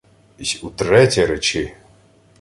— Й утретє речи!